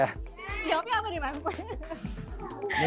jawabnya apa nih mbak priyan